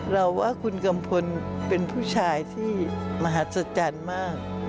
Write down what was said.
เราว่าคุณกัมพลเป็นผู้ชายที่มหัศจรรย์มาก